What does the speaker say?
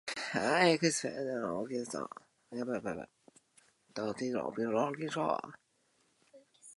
I experienced occasional language barriers and had to navigate unfamiliar transportation systems.